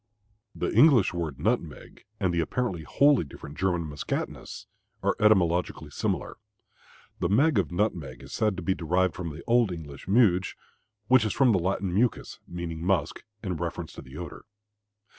The English word nutmeg and the apparently wholly different German Muskatnuss, are etymologically similar. The "meg" of nutmeg is said to be derived from the old English "muge," which is from the Latin "muscus," meaning musk, in reference to the odor.